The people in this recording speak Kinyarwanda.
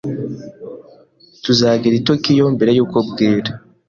Tuzagera i Tokiyo mbere yuko bwira.